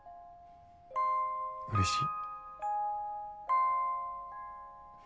うれしい。